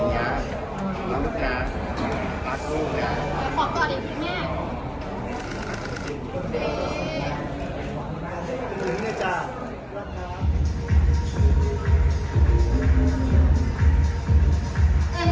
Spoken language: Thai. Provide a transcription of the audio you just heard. น้องลูกค้าสาธารณูกเนี่ย